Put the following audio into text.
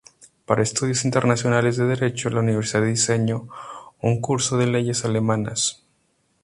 Para estudios internaciones de derecho, la Universidad diseñó un curso de Leyes alemanas.